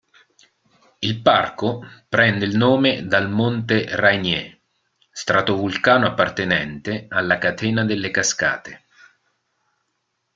Il parco prende il nome dal Monte Rainier, stratovulcano appartenente alla Catena delle Cascate.